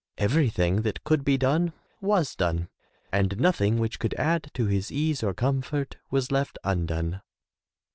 Everything that could be done was done, and nothing which could add to his ease or comfort was left undone.